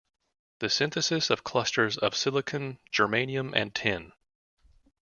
The synthesis of clusters of silicon, germanium, and tin.